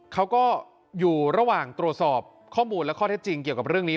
เขาก็อยู่ระหว่างตรวจสอบข้อมูลและข้อเท็จจริงเกี่ยวกับเรื่องนี้